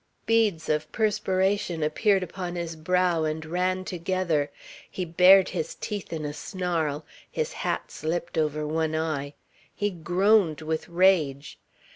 Beads of perspiration appeared upon his brow and ran together; he bared his teeth in a snarl; his hat slipped over one eye. He groaned with rage.